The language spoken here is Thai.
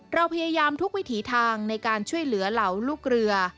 เราพยายามทุกวิถีทางในการช่วยเหลือเหล่าลูกเรือ